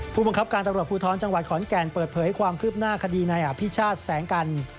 ผู้บังคับการตำรวจภูทรจังหวัดขอนแก่นเปิดเผยความคืบหน้าคดีในอภิชาติแสงกัน